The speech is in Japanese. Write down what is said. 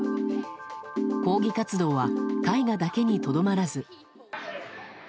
抗議活動は絵画だけにとどまらず。